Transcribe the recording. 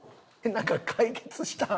なんか解決したん？